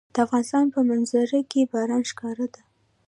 د افغانستان په منظره کې باران ښکاره ده.